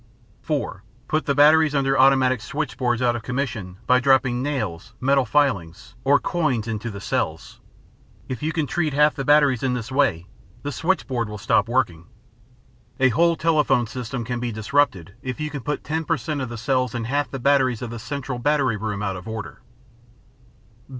(4) Put the batteries under automatic switchboards out of commission by dropping nails, metal filings, or coins into the cells. If you can treat half the batteries in this way, the switchboard will stop working. A whole telephone system can be disrupted if you can put 10 percent of the cells in half the batteries of the central battery room out of order.